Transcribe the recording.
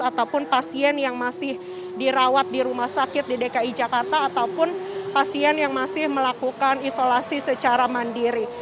ataupun pasien yang masih dirawat di rumah sakit di dki jakarta ataupun pasien yang masih melakukan isolasi secara mandiri